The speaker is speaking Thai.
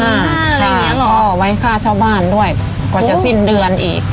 อะไรอย่างเงี้ยหรอค่ะก็ไว้ค่าชาวบ้านด้วยกว่าจะสิ้นเดือนอีก